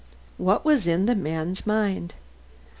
What was in the man's mind?